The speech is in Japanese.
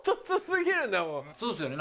そうですよね。